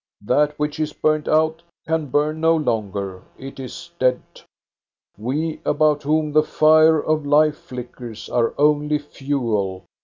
That which is burned out can burn no longer ; it is dead. We about whom the fire of life flickers are only fuel.